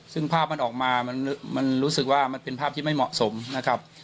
ซึ่งภาพมันออกมามันรู้สึกว่ามันเป็นภาพที่ไม่เหมาะสมนะครับ